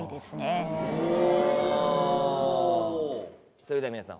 それでは皆さん